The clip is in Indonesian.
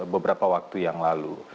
beberapa waktu yang lalu